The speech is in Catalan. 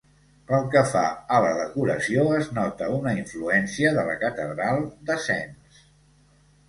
Pel que fa a la decoració es nota una influència de la catedral de Sens.